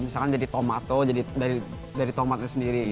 misalnya jadi tomato jadi dari tomatnya sendiri gitu